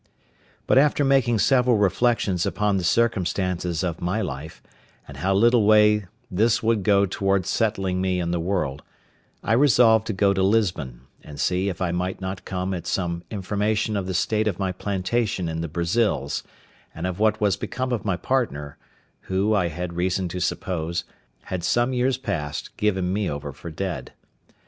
But after making several reflections upon the circumstances of my life, and how little way this would go towards settling me in the world, I resolved to go to Lisbon, and see if I might not come at some information of the state of my plantation in the Brazils, and of what was become of my partner, who, I had reason to suppose, had some years past given me over for dead.